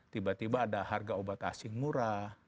tiba tiba ada harga obat asing murah